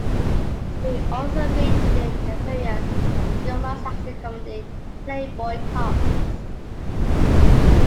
He also made an appearance in Jingle Ma's action comedy "Playboy Cops".